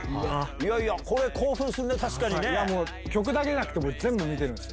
これ、興奮するね、確かにね。もう曲だけじゃなくて、全部見てるんです。